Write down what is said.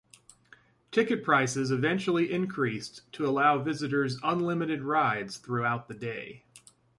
Ticket prices eventually increased to allow visitors unlimited rides throughout the day.